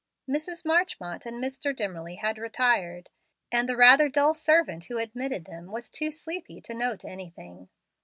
Mrs. Marchmont and Mr. Dimmerly had retired, and the rather dull servant who admitted them was too sleepy to note anything.